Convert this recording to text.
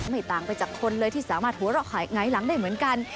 ต่างไปจากคนเลยที่สามารถหัวเราะหงายหลังได้เหมือนกัน